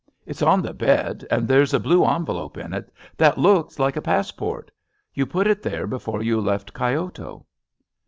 It's on the bed, and there's a blue envelope in it that looks like a passport, Tou put it there before you left Kyoto."